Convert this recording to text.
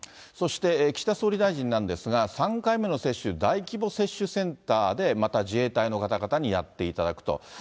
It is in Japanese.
そして、岸田総理大臣なんですが、３回目の接種、大規模接種センターで、また自衛隊の方々にやっていただくと。